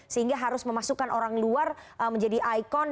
sehingga harus memasukkan orang luar menjadi ikon